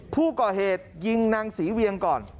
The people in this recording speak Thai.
ผู้ก่อเหตุยิงนางศรีเวียงก่อน